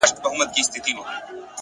د ژمنتیا ځواک هدفونه ژوندۍ ساتي’